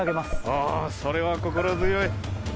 あそれは心強い。